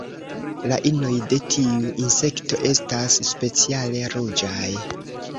La inoj de tiu insekto estas speciale ruĝaj.